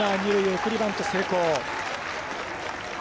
送りバント成功。